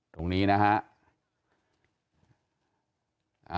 ตรงนี้นะฮะ